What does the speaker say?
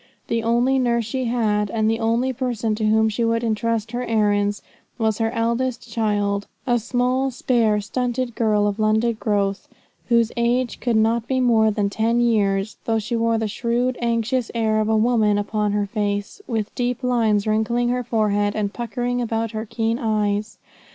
The only nurse she had, and the only person to whom she would entrust her errands, was her eldest child, a small, spare, stunted girl of London growth, whose age could not be more than ten years, though she wore the shrewd, anxious air of a woman upon her face, with deep lines wrinkling her forehead and puckering about her keen eyes.